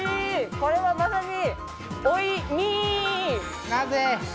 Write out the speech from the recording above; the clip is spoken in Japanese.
これはまさに、おいミー！